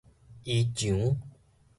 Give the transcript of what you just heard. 衣裳